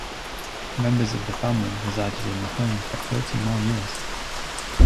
Members of the family resided in the home for thirty more years.